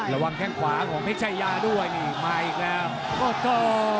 ระวังแค่ขวาของเม็ดชัยยาด้วยนี่มาอีกแล้วก็ก็